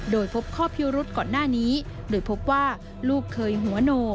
โดยพบข้อพิรุษก่อนหน้านี้โดยพบว่าลูกเคยหัวโน